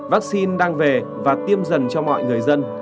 vaccine đang về và tiêm dần cho mọi người dân